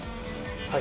はい。